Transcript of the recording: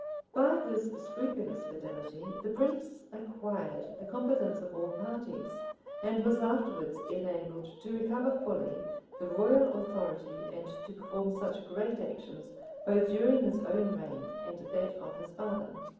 By this scrupulous fidelity the prince acquired the confidence of all parties, and was afterwards enabled to recover fully the royal authority, and to perform such great actions both during his own reign and that of his father.